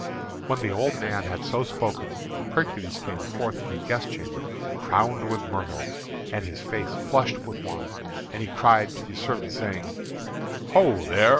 When the man had so spoken, Hercules came forth from the guest chamber, crowned with myrtle, and his face flushed with wine. And he cried to the servant, saying: "Ho, there!